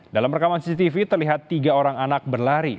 dalam rekaman cctv terlihat tiga orang anak berlari